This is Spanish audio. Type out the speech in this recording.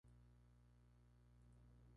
Laura decide, finalmente, permanecer en el hogar.